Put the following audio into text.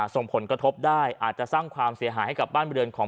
ส่งผลกระทบได้อาจจะสร้างความเสียหายให้กับบ้านบริเวณของ